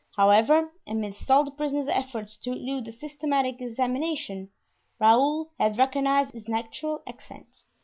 However, amidst all the prisoner's efforts to elude a systematic examination, Raoul had recognized his natural accent.